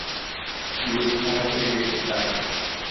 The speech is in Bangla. গুরু ছাড়া পেয়ে গেছে, স্যার।